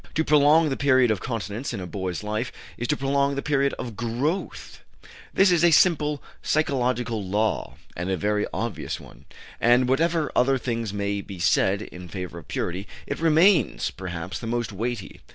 To prolong the period of continence in a boy's life is to prolong the period of growth. This is a simple physiological law, and a very obvious one; and, whatever other things may be said in favor of purity, it remains, perhaps, the most weighty.